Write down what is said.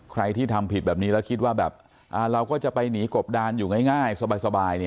ใครที่ทำผิดแบบนี้แล้วคิดว่าแบบเราก็จะไปหนีกบดานอยู่ง่ายสบาย